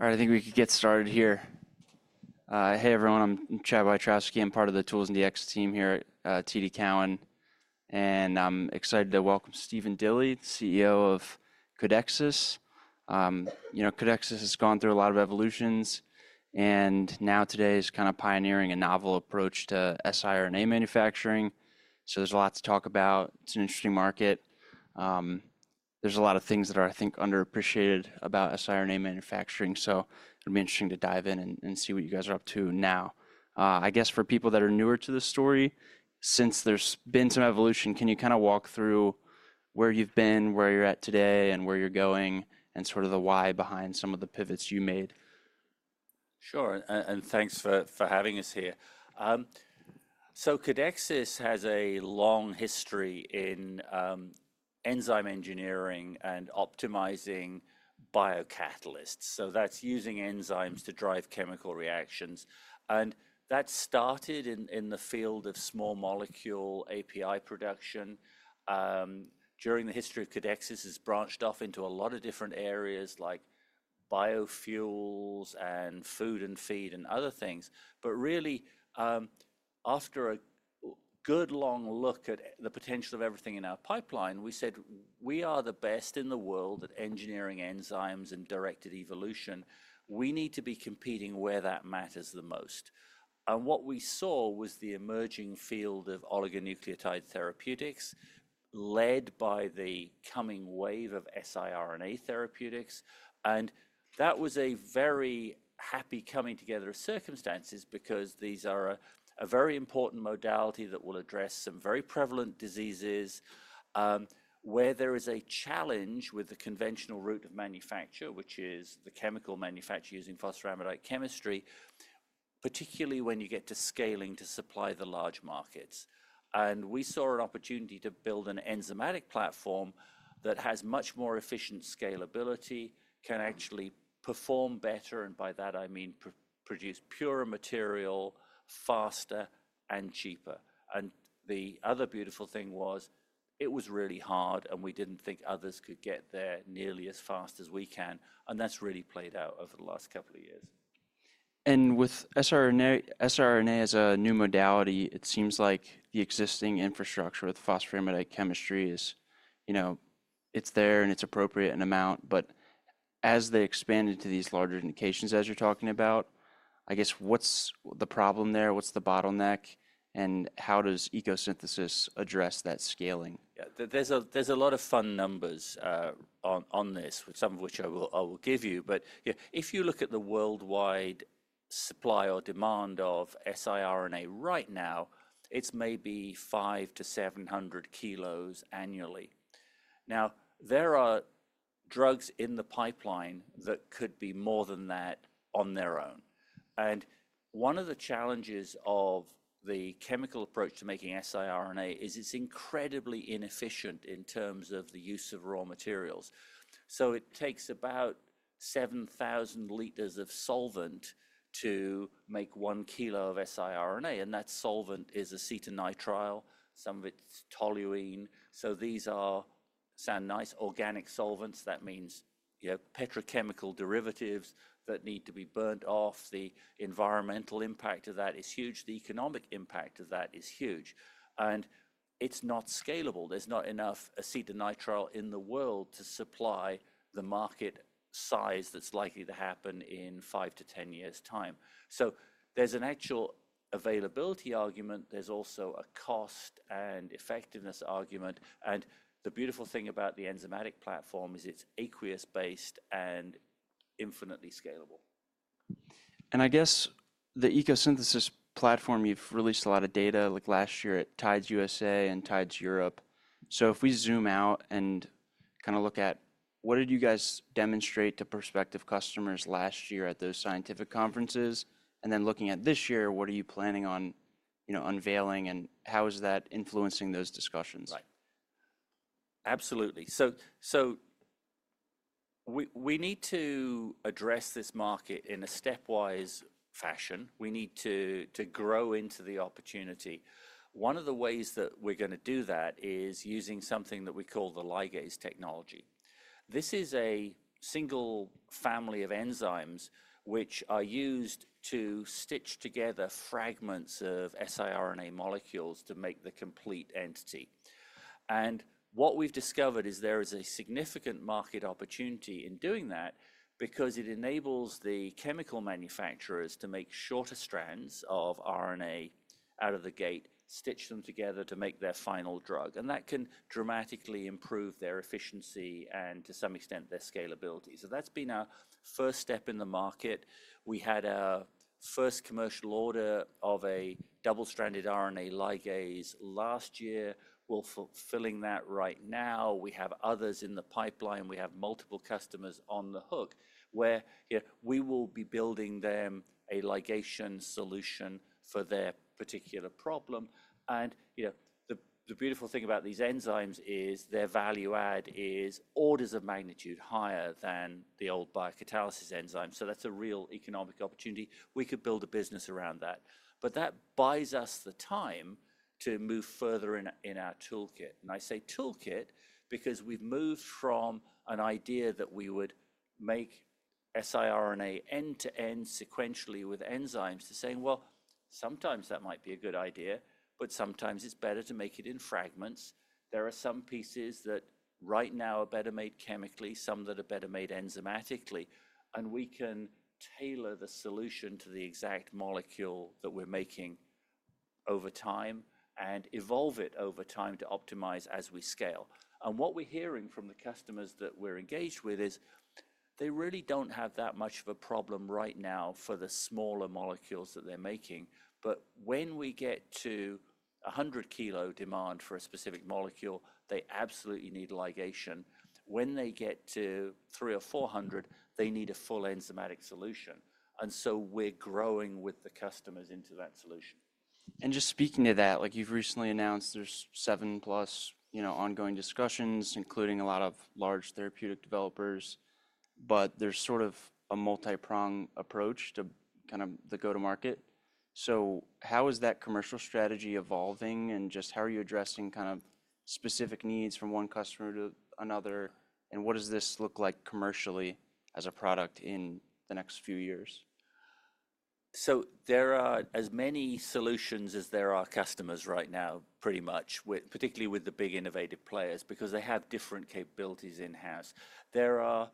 All right, I think we could get started here. Hey everyone, I'm Chad Wiatrowski. I'm part of the Tools and Dx team here at TD Cowen. I'm excited to welcome Stephen Dilly, CEO of Codexis. You know, Codexis has gone through a lot of evolutions, and now today is kind of pioneering a novel approach to siRNA manufacturing. There is a lot to talk about. It's an interesting market. There are a lot of things that are, I think, underappreciated about siRNA manufacturing. It will be interesting to dive in and see what you guys are up to now. I guess for people that are newer to the story, since there has been some evolution, can you kind of walk through where you've been, where you're at today, and where you're going, and sort of the why behind some of the pivots you made? Sure. Thanks for having us here. Codexis has a long history in enzyme engineering and optimizing biocatalysts. That is using enzymes to drive chemical reactions. That started in the field of small molecule API production. During the history of Codexis, it has branched off into a lot of different areas like biofuels and food and feed and other things. Really, after a good long look at the potential of everything in our pipeline, we said we are the best in the world at engineering enzymes and directed evolution. We need to be competing where that matters the most. What we saw was the emerging field of oligonucleotide therapeutics led by the coming wave of siRNA therapeutics. That was a very happy coming together of circumstances because these are a very important modality that will address some very prevalent diseases, where there is a challenge with the conventional route of manufacture, which is the chemical manufacture using phosphoramidite chemistry, particularly when you get to scaling to supply the large markets. We saw an opportunity to build an enzymatic platform that has much more efficient scalability, can actually perform better, and by that I mean produce purer material faster and cheaper. The other beautiful thing was it was really hard, and we did not think others could get there nearly as fast as we can. That has really played out over the last couple of years. With siRNA, siRNA as a new modality, it seems like the existing infrastructure with phosphoramidite chemistry is, you know, it's there and it's appropriate in amount. As they expand into these larger indications, as you're talking about, I guess what's the problem there? What's the bottleneck? How does ECO Synthesis address that scaling? Yeah, there's a lot of fun numbers on this, some of which I will give you. You know, if you look at the worldwide supply or demand of siRNA right now, it's maybe 500-700kg annually. There are drugs in the pipeline that could be more than that on their own. One of the challenges of the chemical approach to making siRNA is it's incredibly inefficient in terms of the use of raw materials. It takes about 7,000L of solvent to make 1kg of siRNA. That solvent is acetonitrile. Some of it's toluene. These are nice organic solvents. That means, you know, petrochemical derivatives that need to be burnt off. The environmental impact of that is huge. The economic impact of that is huge. It's not scalable. There's not enough acetonitrile in the world to supply the market size that's likely to happen in five to ten years' time. There is an actual availability argument. There is also a cost and effectiveness argument. The beautiful thing about the enzymatic platform is it's aqueous-based and infinitely scalable. I guess the ECO Synthesis platform, you've released a lot of data, like last year at TIDES USA and TIDES Europe. If we zoom out and kind of look at what did you guys demonstrate to prospective customers last year at those scientific conferences? Looking at this year, what are you planning on, you know, unveiling and how is that influencing those discussions? Right. Absolutely. We need to address this market in a stepwise fashion. We need to grow into the opportunity. One of the ways that we're gonna do that is using something that we call the ligase technology. This is a single family of enzymes which are used to stitch together fragments of siRNA molecules to make the complete entity. What we've discovered is there is a significant market opportunity in doing that because it enables the chemical manufacturers to make shorter strands of RNA out of the gate, stitch them together to make their final drug. That can dramatically improve their efficiency and, to some extent, their scalability. That's been our first step in the market. We had our first commercial order of a double-stranded RNA ligase last year. We're fulfilling that right now. We have others in the pipeline. We have multiple customers on the hook where, you know, we will be building them a ligation solution for their particular problem. You know, the beautiful thing about these enzymes is their value add is orders of magnitude higher than the old biocatalysis enzymes. That is a real economic opportunity. We could build a business around that. That buys us the time to move further in our toolkit. I say toolkit because we have moved from an idea that we would make siRNA end-to-end sequentially with enzymes to saying, you know, sometimes that might be a good idea, but sometimes it is better to make it in fragments. There are some pieces that right now are better made chemically, some that are better made enzymatically. We can tailor the solution to the exact molecule that we're making over time and evolve it over time to optimize as we scale. What we're hearing from the customers that we're engaged with is they really don't have that much of a problem right now for the smaller molecules that they're making. When we get to 100kg demand for a specific molecule, they absolutely need ligation. When they get to 300 or 400, they need a full enzymatic solution. We are growing with the customers into that solution. Just speaking to that, like you've recently announced there's seven plus, you know, ongoing discussions, including a lot of large therapeutic developers, but there's sort of a multi-prong approach to kind of the go-to-market. How is that commercial strategy evolving and just how are you addressing kind of specific needs from one customer to another? What does this look like commercially as a product in the next few years? There are as many solutions as there are customers right now, pretty much, particularly with the big innovative players because they have different capabilities in-house. There are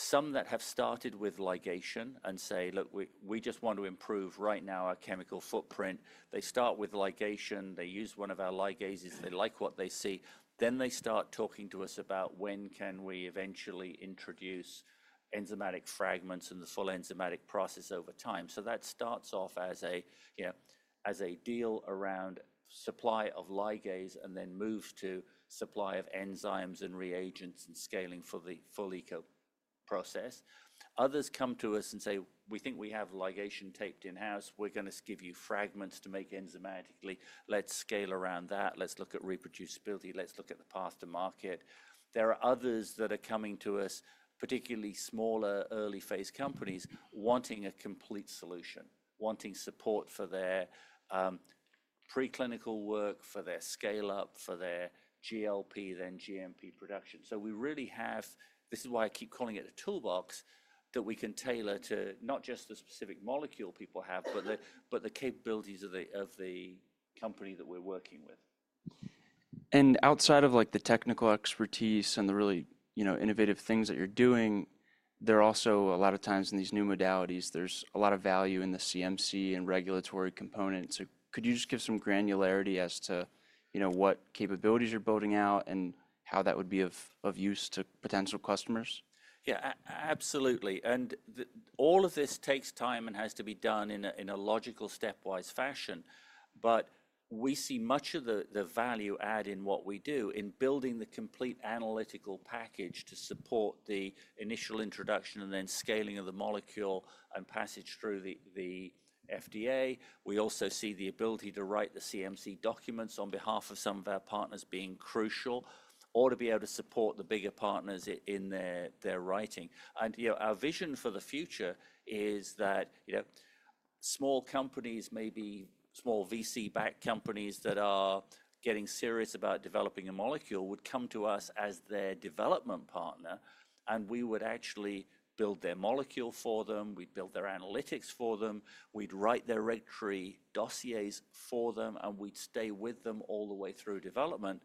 some that have started with ligation and say, look, we just want to improve right now our chemical footprint. They start with ligation. They use one of our ligases. They like what they see. They start talking to us about when can we eventually introduce enzymatic fragments and the full enzymatic process over time. That starts off as a, you know, as a deal around supply of ligase and then move to supply of enzymes and reagents and scaling for the full ECO process. Others come to us and say, we think we have ligation taped in-house. We're gonna give you fragments to make enzymatically. Let's scale around that. Let's look at reproducibility. Let's look at the path to market. There are others that are coming to us, particularly smaller early phase companies wanting a complete solution, wanting support for their preclinical work, for their scale-up, for their GLP, then GMP production. We really have, this is why I keep calling it a toolbox that we can tailor to not just the specific molecule people have, but the capabilities of the company that we're working with. Outside of like the technical expertise and the really, you know, innovative things that you're doing, there are also a lot of times in these new modalities, there's a lot of value in the CMC and regulatory components. Could you just give some granularity as to, you know, what capabilities you're building out and how that would be of use to potential customers? Yeah, absolutely. And all of this takes time and has to be done in a logical stepwise fashion. We see much of the value add in what we do in building the complete analytical package to support the initial introduction and then scaling of the molecule and passage through the FDA. We also see the ability to write the CMC documents on behalf of some of our partners being crucial or to be able to support the bigger partners in their writing. You know, our vision for the future is that, you know, small companies, maybe small VC-backed companies that are getting serious about developing a molecule would come to us as their development partner, and we would actually build their molecule for them. We'd build their analytics for them. We'd write their regulatory dossiers for them, and we'd stay with them all the way through development.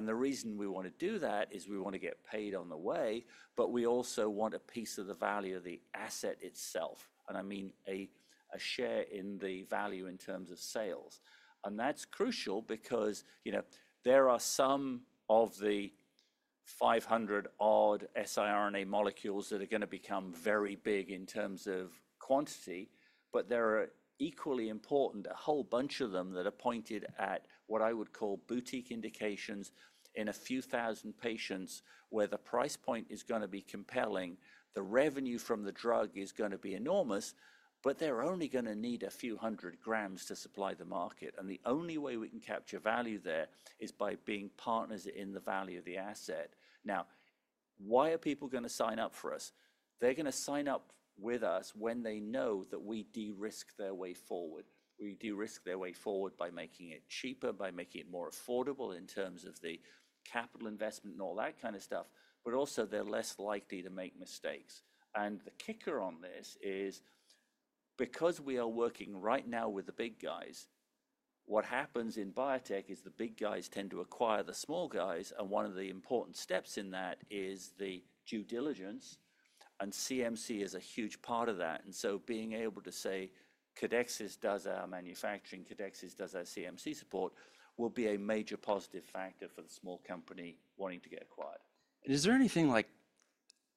The reason we wanna do that is we wanna get paid on the way, but we also want a piece of the value of the asset itself. I mean a share in the value in terms of sales. That's crucial because, you know, there are some of the 500-odd siRNA molecules that are gonna become very big in terms of quantity, but there are equally important, a whole bunch of them that are pointed at what I would call boutique indications in a few thousand patients where the price point is gonna be compelling. The revenue from the drug is gonna be enormous, but they're only gonna need a few hundred grams to supply the market. The only way we can capture value there is by being partners in the value of the asset. Now, why are people gonna sign up for us? They're gonna sign up with us when they know that we de-risk their way forward. We de-risk their way forward by making it cheaper, by making it more affordable in terms of the capital investment and all that kind of stuff. Also, they're less likely to make mistakes. The kicker on this is because we are working right now with the big guys, what happens in biotech is the big guys tend to acquire the small guys. One of the important steps in that is the due diligence. CMC is a huge part of that. Being able to say Codexis does our manufacturing, Codexis does our CMC support will be a major positive factor for the small company wanting to get acquired. Is there anything like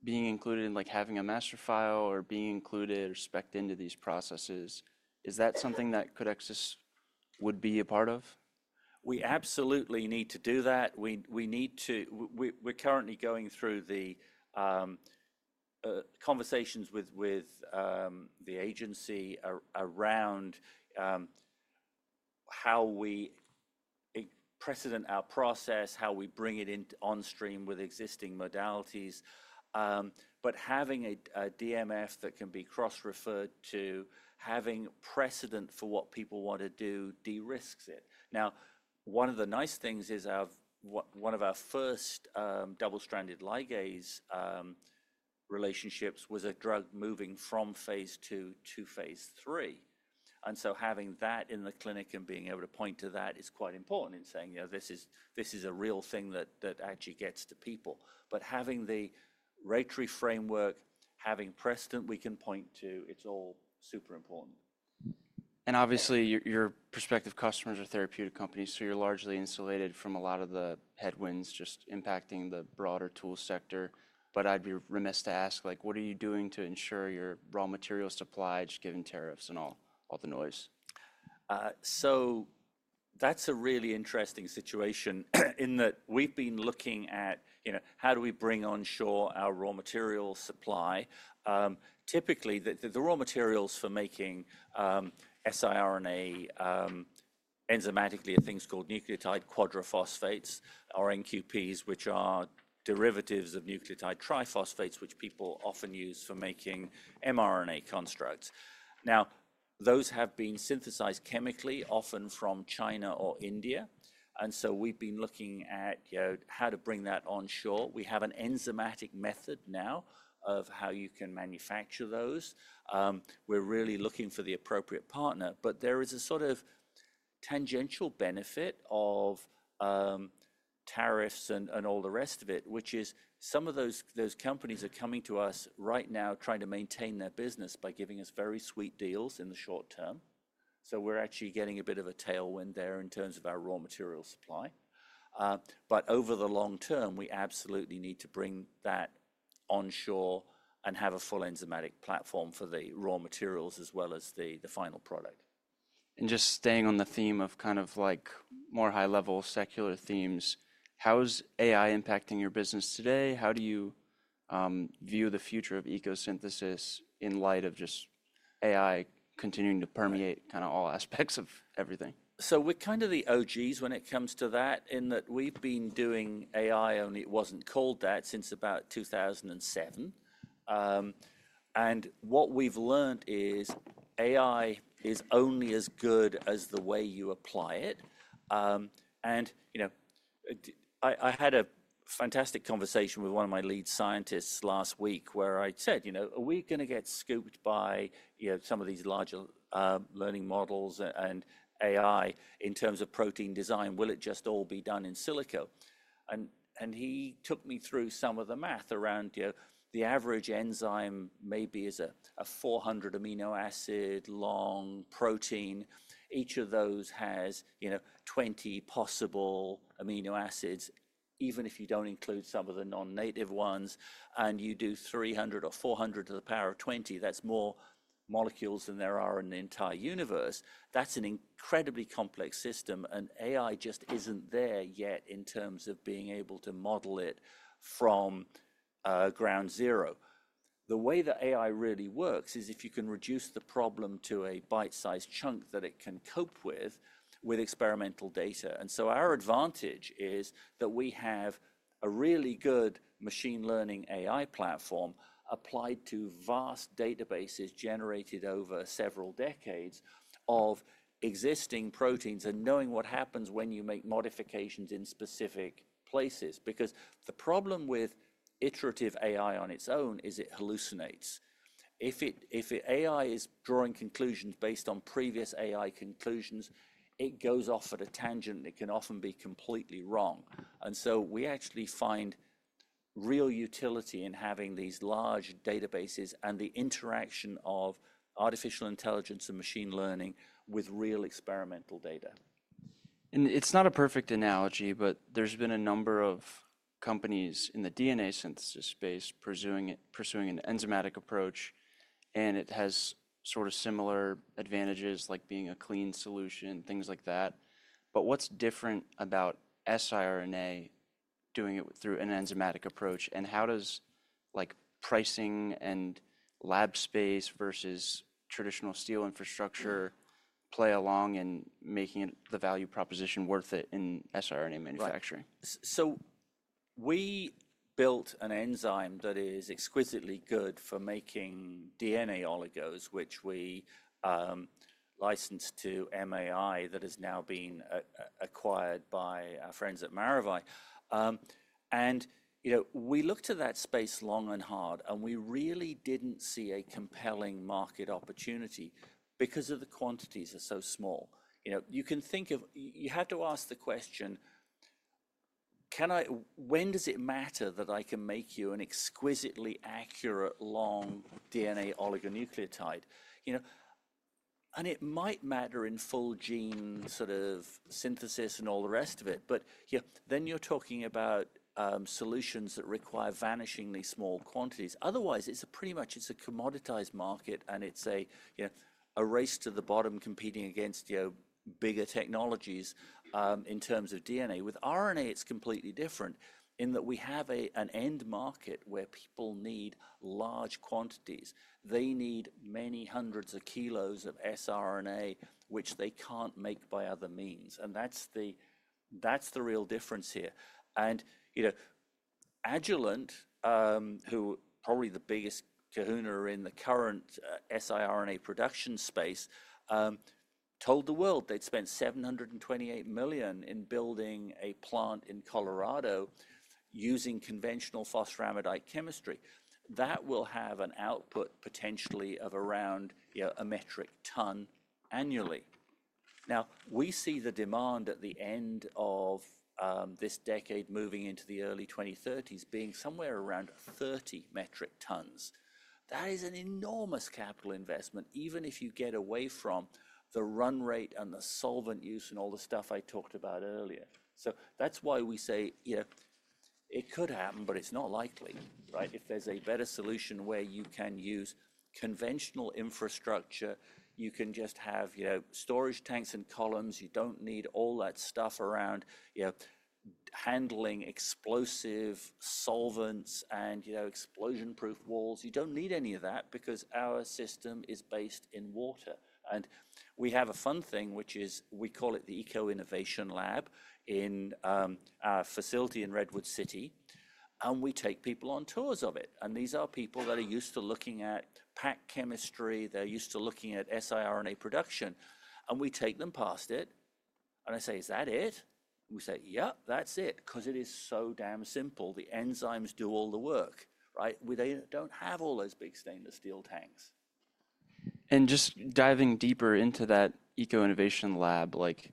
being included in like having a master file or being included or specced into these processes? Is that something that Codexis would be a part of? We absolutely need to do that. We need to, we are currently going through the conversations with the agency around how we precedent our process, how we bring it in on stream with existing modalities. Having a DMF that can be cross-referred to, having precedent for what people want to do de-risks it. Now, one of the nice things is, one of our first double-stranded RNA ligase relationships was a drug moving from phase two to phase three. Having that in the clinic and being able to point to that is quite important in saying, you know, this is a real thing that actually gets to people. Having the regulatory framework, having precedent we can point to, it is all super important. Obviously your prospective customers are therapeutic companies, so you're largely insulated from a lot of the headwinds just impacting the broader tool sector. I'd be remiss to ask, like, what are you doing to ensure your raw material supply, just given tariffs and all the noise? That's a really interesting situation in that we've been looking at, you know, how do we bring on shore our raw material supply? Typically, the raw materials for making siRNA enzymatically are things called nucleoside quadraphosphates, or NQPs, which are derivatives of nucleoside triphosphates, which people often use for making mRNA constructs. Now, those have been synthesized chemically, often from China or India. We have been looking at, you know, how to bring that on shore. We have an enzymatic method now of how you can manufacture those. We're really looking for the appropriate partner, but there is a sort of tangential benefit of tariffs and all the rest of it, which is some of those companies are coming to us right now trying to maintain their business by giving us very sweet deals in the short term. We're actually getting a bit of a tailwind there in terms of our raw material supply. But over the long term, we absolutely need to bring that on shore and have a full enzymatic platform for the raw materials as well as the final product. Just staying on the theme of kind of like more high-level secular themes, how is AI impacting your business today? How do you view the future of ECO Synthesis in light of just AI continuing to permeate kind of all aspects of everything? We're kind of the OGs when it comes to that in that we've been doing AI only, it wasn't called that since about 2007. What we've learned is AI is only as good as the way you apply it. You know, I had a fantastic conversation with one of my lead scientists last week where I said, you know, are we gonna get scooped by, you know, some of these larger learning models and AI in terms of protein design? Will it just all be done in silico? He took me through some of the math around, you know, the average enzyme maybe is a 400 amino acid long protein. Each of those has 20 possible amino acids, even if you don't include some of the non-native ones. You do 300 or 400 to the power of 20, that's more molecules than there are in the entire universe. That's an incredibly complex system. AI just isn't there yet in terms of being able to model it from ground zero. The way that AI really works is if you can reduce the problem to a bite-sized chunk that it can cope with, with experimental data. Our advantage is that we have a really good machine learning AI platform applied to vast databases generated over several decades of existing proteins and knowing what happens when you make modifications in specific places. The problem with iterative AI on its own is it hallucinates. If AI is drawing conclusions based on previous AI conclusions, it goes off at a tangent. It can often be completely wrong. We actually find real utility in having these large databases and the interaction of artificial intelligence and machine learning with real experimental data. It's not a perfect analogy, but there's been a number of companies in the DNA synthesis space pursuing it, pursuing an enzymatic approach. It has sort of similar advantages, like being a clean solution, things like that. What's different about siRNA doing it through an enzymatic approach? How does, like, pricing and lab space versus traditional steel infrastructure play along in making the value proposition worth it in siRNA manufacturing? Right. So we built an enzyme that is exquisitely good for making DNA oligos, which we licensed to MAI that has now been acquired by our friends at Maravai. And, you know, we looked at that space long and hard, and we really did not see a compelling market opportunity because the quantities are so small. You know, you can think of, you have to ask the question, can I, when does it matter that I can make you an exquisitely accurate long DNA oligonucleotide? You know, and it might matter in full gene sort of synthesis and all the rest of it, but, you know, then you are talking about solutions that require vanishingly small quantities. Otherwise, it is pretty much a commoditized market and it is a, you know, a race to the bottom competing against, you know, bigger technologies, in terms of DNA. With RNA, it's completely different in that we have a, an end market where people need large quantities. They need many hundreds of kilos of siRNA, which they can't make by other means. That's the real difference here. You know, Agilent, who are probably the biggest kahuna in the current siRNA production space, told the world they'd spent $728 million in building a plant in Colorado using conventional phosphoramidite chemistry. That will have an output potentially of around, you know, a metric ton annually. We see the demand at the end of this decade moving into the early 2030s being somewhere around 30 metric tons. That is an enormous capital investment, even if you get away from the run rate and the solvent use and all the stuff I talked about earlier. That's why we say, you know, it could happen, but it's not likely, right? If there's a better solution where you can use conventional infrastructure, you can just have, you know, storage tanks and columns. You don't need all that stuff around, you know, handling explosive solvents and, you know, explosion-proof walls. You don't need any of that because our system is based in water. We have a fun thing, which is we call it the ECO Innovation Lab in our facility in Redwood City. We take people on tours of it. These are people that are used to looking at PAC chemistry. They're used to looking at siRNA production. We take them past it and I say, is that it? We say, yep, that's it. 'Cause it is so damn simple. The enzymes do all the work, right? They don't have all those big stainless steel tanks. Just diving deeper into that ECO Innovation Lab, like,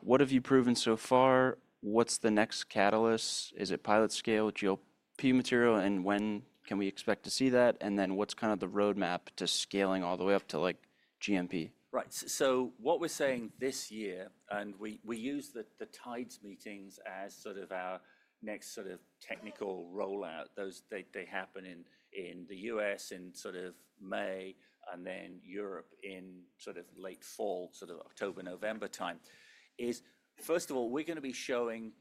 what have you proven so far? What's the next catalyst? Is it pilot scale, GLP material? And when can we expect to see that? What's kind of the roadmap to scaling all the way up to like GMP? Right. What we're saying this year, and we use the TIDES meetings as sort of our next sort of technical rollout. Those happen in the U.S. in May and then Europe in late fall, sort of October, November time. First of all, we're gonna be showing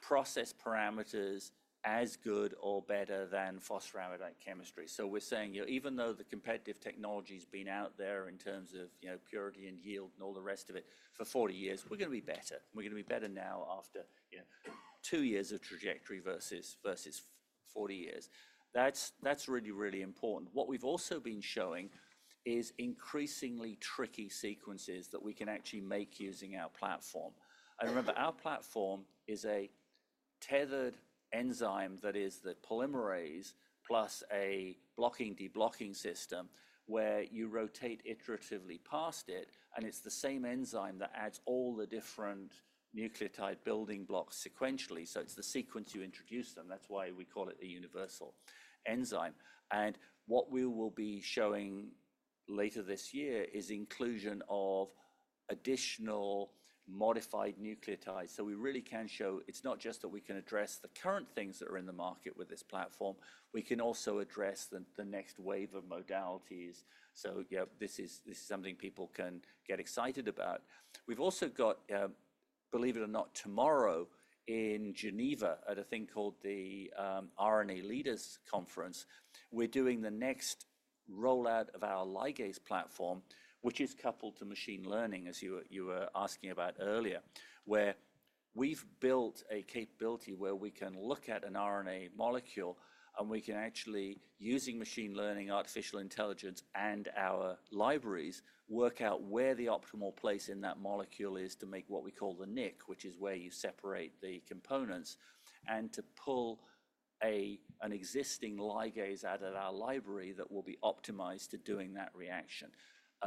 process parameters as good or better than phosphoramidite chemistry. We're saying, you know, even though the competitive technology's been out there in terms of, you know, purity and yield and all the rest of it for 40 years, we're gonna be better. We're gonna be better now after, you know, two years of trajectory versus 40 years. That's really, really important. What we've also been showing is increasingly tricky sequences that we can actually make using our platform. Remember, our platform is a tethered enzyme that is the polymerase plus a blocking deblocking system where you rotate iteratively past it. It is the same enzyme that adds all the different nucleotide building blocks sequentially. It is the sequence you introduce them. That is why we call it the universal enzyme. What we will be showing later this year is inclusion of additional modified nucleotides. We really can show it is not just that we can address the current things that are in the market with this platform. We can also address the next wave of modalities. You know, this is something people can get excited about. We've also got, believe it or not, tomorrow in Geneva at a thing called the RNA Leaders Conference, we're doing the next rollout of our ligase platform, which is coupled to machine learning, as you were asking about earlier, where we've built a capability where we can look at an RNA molecule and we can actually, using machine learning, artificial intelligence, and our libraries, work out where the optimal place in that molecule is to make what we call the nick, which is where you separate the components and to pull an existing ligase out of our library that will be optimized to doing that reaction.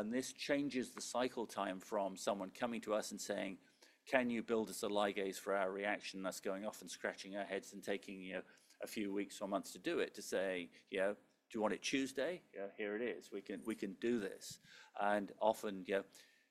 This changes the cycle time from someone coming to us and saying, can you build us a ligase for our reaction? That's going off and scratching our heads and taking, you know, a few weeks or months to do it to say, you know, do you want it Tuesday? You know, here it is. We can, we can do this. And often, you know,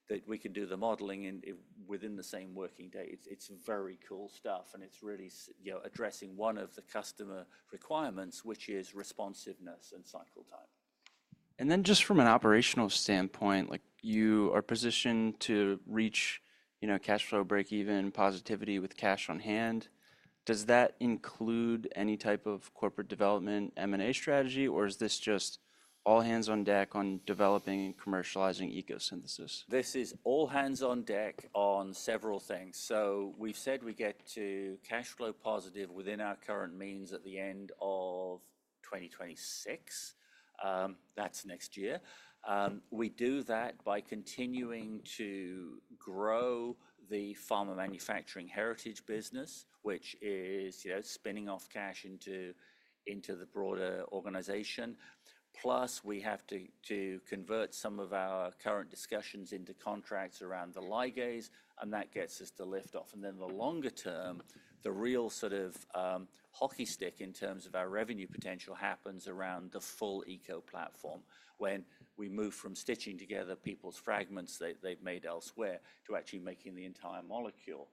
that we can do the modeling in, within the same working day. It's, it's very cool stuff. And it's really, you know, addressing one of the customer requirements, which is responsiveness and cycle time. Just from an operational standpoint, like you are positioned to reach, you know, cash flow breakeven positivity with cash on hand. Does that include any type of corporate development M&A strategy, or is this just all hands on deck on developing and commercializing ECO Synthesis? This is all hands on deck on several things. We have said we get to cash flow positive within our current means at the end of 2026. That is next year. We do that by continuing to grow the pharma manufacturing heritage business, which is, you know, spinning off cash into the broader organization. Plus we have to convert some of our current discussions into contracts around the ligase, and that gets us to lift off. The longer term, the real sort of hockey stick in terms of our revenue potential happens around the full ECO platform when we move from stitching together people's fragments that they have made elsewhere to actually making the entire molecule.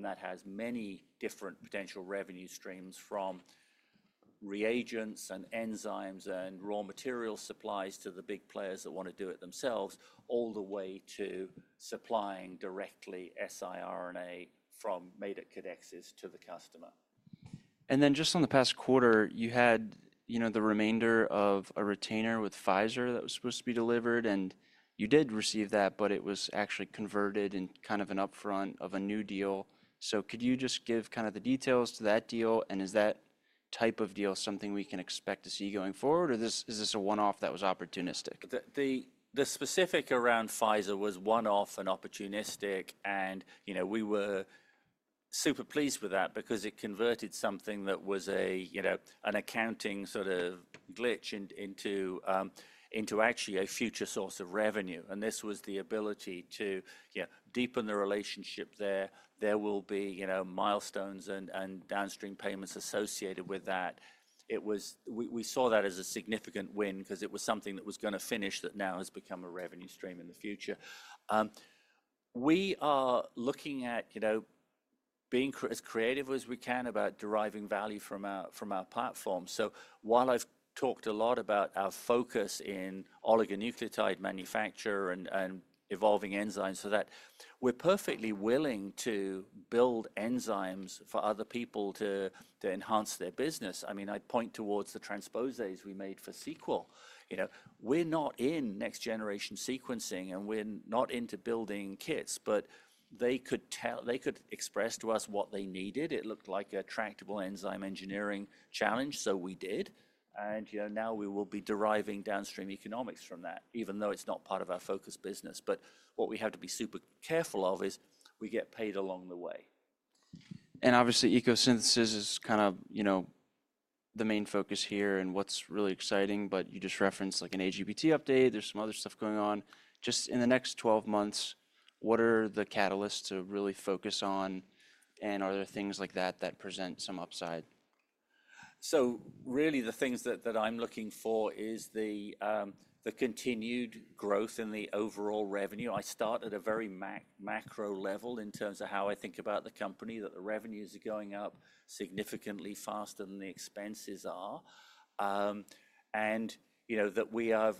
That has many different potential revenue streams from reagents and enzymes and raw material supplies to the big players that wanna do it themselves, all the way to supplying directly siRNA made at Codexis to the customer. Just on the past quarter, you had, you know, the remainder of a retainer with Pfizer that was supposed to be delivered, and you did receive that, but it was actually converted in kind of an upfront of a new deal. Could you just give kind of the details to that deal? Is that type of deal something we can expect to see going forward, or is this a one-off that was opportunistic? The specific around Pfizer was one-off and opportunistic. And, you know, we were super pleased with that because it converted something that was a, you know, an accounting sort of glitch into, into actually a future source of revenue. And this was the ability to, you know, deepen the relationship there. There will be, you know, milestones and downstream payments associated with that. It was, we saw that as a significant win 'cause it was something that was gonna finish that now has become a revenue stream in the future. We are looking at, you know, being as creative as we can about deriving value from our, from our platform. So while I've talked a lot about our focus in oligonucleotide manufacture and evolving enzymes for that, we're perfectly willing to build enzymes for other people to enhance their business. I mean, I'd point towards the transposases we made for seqWell. You know, we are not in next generation sequencing and we are not into building kits, but they could tell, they could express to us what they needed. It looked like a tractable enzyme engineering challenge. So we did. And, you know, now we will be deriving downstream economics from that, even though it's not part of our focus business. But what we have to be super careful of is we get paid along the way. Obviously, ECO Synthesis is kind of, you know, the main focus here and what's really exciting, but you just referenced like an AGBT update. There's some other stuff going on. Just in the next 12 months, what are the catalysts to really focus on? Are there things like that that present some upside? Really the things that I'm looking for is the continued growth in the overall revenue. I start at a very macro level in terms of how I think about the company, that the revenues are going up significantly faster than the expenses are, and, you know, that we have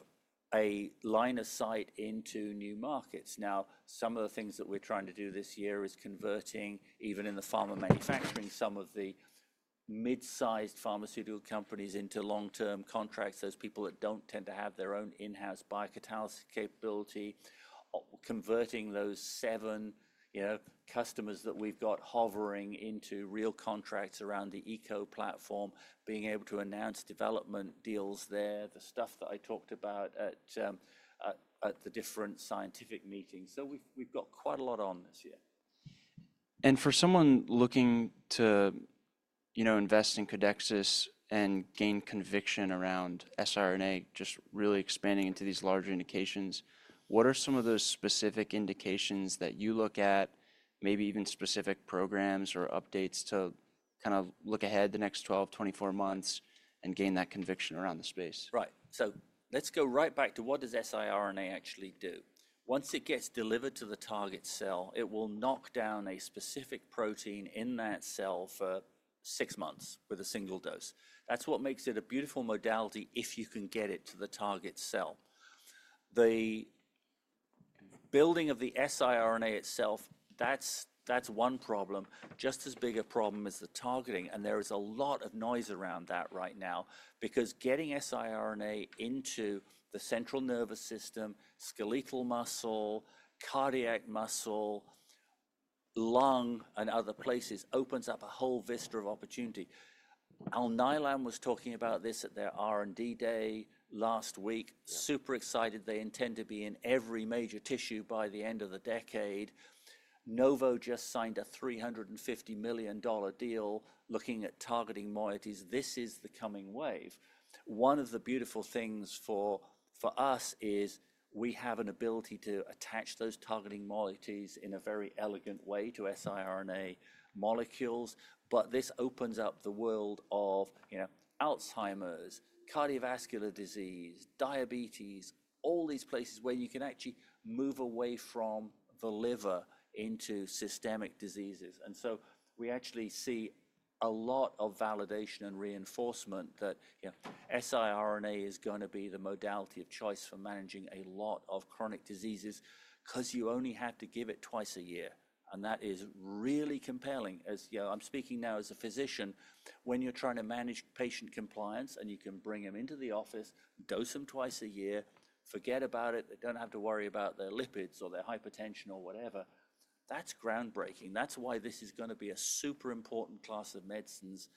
a line of sight into new markets. Now, some of the things that we are trying to do this year is converting, even in the pharma manufacturing, some of the mid-sized pharmaceutical companies into long-term contracts. There's people that don't tend to have their own in-house biocatalysis capability. Converting those seven, you know, customers that we've got hovering into real contracts around the ECO platform, being able to announce development deals there, the stuff that I talked about at the different scientific meetings. We've got quite a lot on this year. For someone looking to, you know, invest in Codexis and gain conviction around siRNA, just really expanding into these larger indications, what are some of those specific indications that you look at, maybe even specific programs or updates to kind of look ahead the next 12, 24 months and gain that conviction around the space? Right. Let's go right back to what does siRNA actually do? Once it gets delivered to the target cell, it will knock down a specific protein in that cell for six months with a single dose. That's what makes it a beautiful modality if you can get it to the target cell. The building of the siRNA itself, that's one problem, just as big a problem as the targeting. There is a lot of noise around that right now because getting siRNA into the central nervous system, skeletal muscle, cardiac muscle, lung, and other places opens up a whole vista of opportunity. Alnylam was talking about this at their R&D Day last week. Super excited. They intend to be in every major tissue by the end of the decade. Novo just signed a $350 million deal looking at targeting moieties. This is the coming wave. One of the beautiful things for us is we have an ability to attach those targeting moieties in a very elegant way to siRNA molecules. This opens up the world of, you know, Alzheimer's, cardiovascular disease, diabetes, all these places where you can actually move away from the liver into systemic diseases. We actually see a lot of validation and reinforcement that, you know, siRNA is gonna be the modality of choice for managing a lot of chronic diseases 'cause you only have to give it twice a year. That is really compelling as, you know, I'm speaking now as a physician when you're trying to manage patient compliance and you can bring 'em into the office, dose 'em twice a year, forget about it. They don't have to worry about their lipids or their hypertension or whatever. That's groundbreaking. That's why this is gonna be a super important class of medicines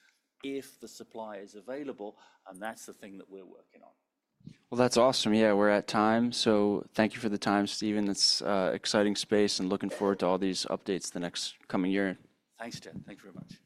if the supply is available. That's the thing that we are working on. That's awesome. Yeah, we're at time. So thank you for the time, Stephen. It's an exciting space and looking forward to all these updates the next coming year. Thanks, Chad. Thanks very much.